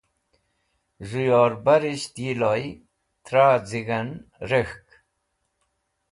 Z̃hũ yorbarisht yi loy tra z̃ig̃hen rak̃h.